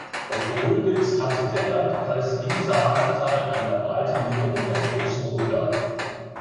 Bei Gröditz hatte der Landkreis Riesa Anteil an der breiten Niederung der Großen Röder.